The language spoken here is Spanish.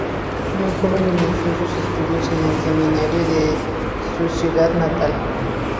Muy joven inició sus estudios en el seminario de su ciudad natal.